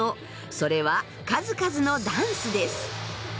それは数々のダンスです。